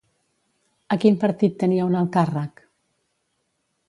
A quin partit tenia un alt càrrec?